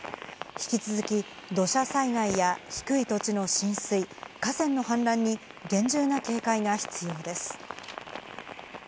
引き続き、土砂災害や低い土地の浸水、河川の氾濫に厳重な警戒が必要です。